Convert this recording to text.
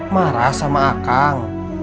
marah sama akang